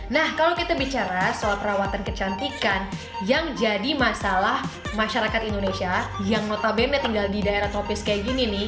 nah kalau kita bicara soal perawatan kecantikan yang jadi masalah masyarakat indonesia yang notabene tinggal di daerah tropis kayak gini nih